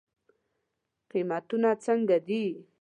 قیمتونه څنګه دی؟